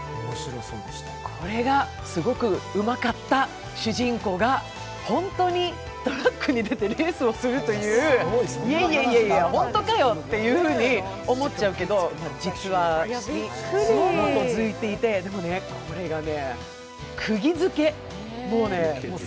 これがすごくうまかった主人公が本当にトラックに出てレースをするというほんとかよ？というふうに思っちゃうけど実はずっと続いていて、これがね、もう釘付け。